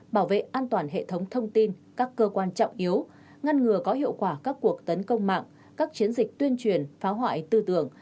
bảo vệ an toàn hệ thống thông tin các cơ quan trọng yếu ngăn ngừa có hiệu quả các cuộc tấn công mạng các chiến dịch tuyên truyền phá hoại tư tưởng